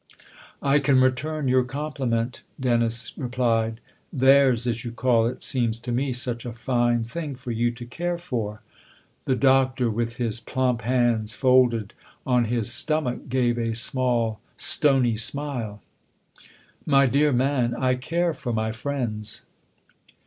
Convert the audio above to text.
" I can return your compliment," Dennis replied. "' Theirs,' as you call it, seems to me such a fine thing for you to care for." The Doctor, with his plump hands folded on his stomach, gave a small stony smile. " My dear man, I care for my friends